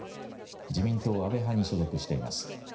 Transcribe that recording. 自民党安倍派に所属しています。